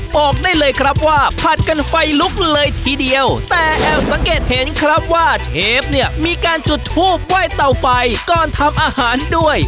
บอกได้เลยครับว่าผัดกันไฟลุกเลยทีเดียวแต่แอบสังเกตเห็นครับว่าเชฟเนี่ยมีการจุดทูบไหว้เต่าไฟก่อนทำอาหารด้วย